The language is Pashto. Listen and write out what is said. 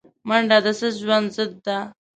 منډه د سست ژوند ضد ده